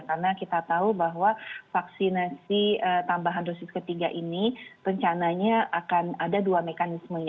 karena kita tahu bahwa vaksinasi tambahan dosis ketiga ini rencananya akan ada dua mekanismenya